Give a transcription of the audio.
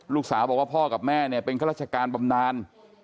ลูกสาวบอกว่าพ่อกับแม่เนี่ยเป็นข้าราชการบำนาน